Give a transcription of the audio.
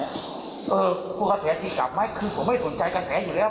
กลัวกระแสตีกลับไหมคือผมไม่สนใจกระแสอยู่แล้ว